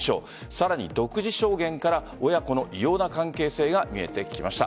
さらに独自証言から親子の異様な関係性が見えてきました。